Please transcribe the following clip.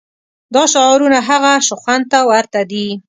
دا شعارونه هغه شخوند ته ورته دي.